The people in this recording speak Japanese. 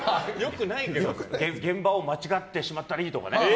現場を間違ってしまったりとか。